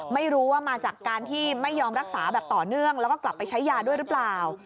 ไม่รู้ว่ามาจากการที่ไม่ยอมรักษาแบบต่อเนื่องแล้วก็กลับไปใช้ยาด้วยหรือเปล่า